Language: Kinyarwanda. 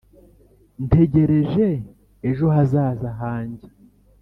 ntegereje ejo hazaza hanjye,